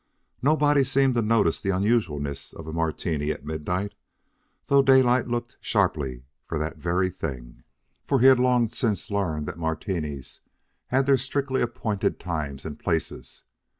Nobody seemed to notice the unusualness of a Martini at midnight, though Daylight looked sharply for that very thing; for he had long since learned that Martinis had their strictly appointed times and places.